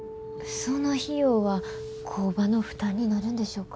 その費用は工場の負担になるんでしょうか？